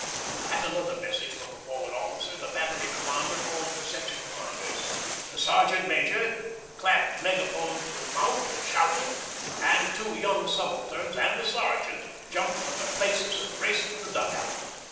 At another message from the Forward Officer the Battery Commander called for Section Commanders. The Sergeant Major clapped megaphone to mouth and shouted, and two young subalterns and a sergeant jumped from their places, and raced for the dug out.